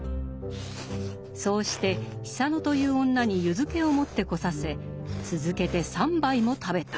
そうして久野という女に湯漬けを持ってこさせ続けて３杯も食べた。